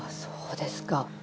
そうですか。